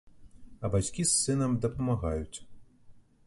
А бацькі з сынам дапамагаюць.